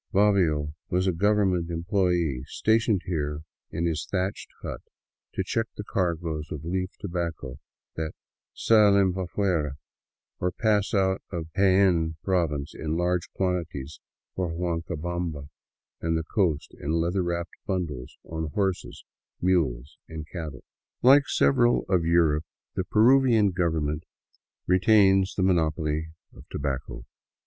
Bobbio was a government employee, stationed here in his thatched hut to check the cargoes of leaf tobacco that salen pa* fuera," or pass out of Jaen province in large quantities for Huancabamba and the coast in leather wrapped bundles on horses, mules, and cattle. Like several 233 VAGABONDING DOWN THE ANDES of Europe, the Peruvian government retains the monopoly of tobacco.